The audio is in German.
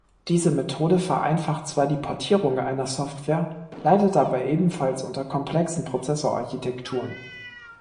Diese Methode vereinfacht zwar die Portierung einer Software, leidet aber ebenfalls unter komplexen Prozessorarchitekturen.